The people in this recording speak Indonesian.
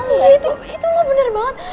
iya itu bener banget